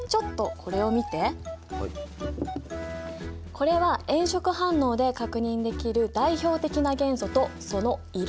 これは炎色反応で確認できる代表的な元素とその色を表したもの。